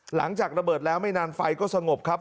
หลังจากระเบิดแล้วไม่นานไฟก็สงบครับ